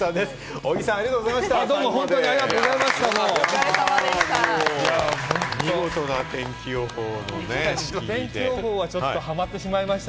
小木さん、ありがとうございました。